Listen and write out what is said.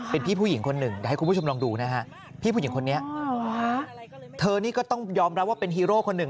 เป็นพี่ผู้หญิงคนหนึ่งเดี๋ยวให้คุณผู้ชมลองดูนะฮะพี่ผู้หญิงคนนี้เธอนี่ก็ต้องยอมรับว่าเป็นฮีโร่คนหนึ่ง